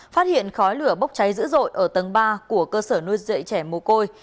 phát hiện khói lửa bốc cháy dữ dội ở tầng ba của cơ sở nuôi dạy trẻ mồ côi